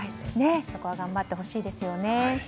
そこは頑張ってほしいですよね。